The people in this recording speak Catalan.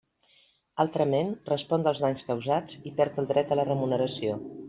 Altrament, respon dels danys causats i perd el dret a la remuneració.